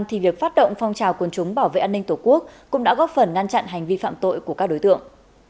thì việc phát động phong trào quân chúng bảo vệ an ninh tổ quốc cũng đã góp phần ngăn chặn hành vi phạm tội của các đối tượng